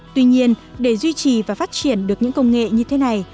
tuy nhiên để duy trì và phát triển được những công nghệ như thế này